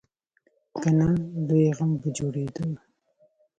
که نه، لوی غم به جوړېدو.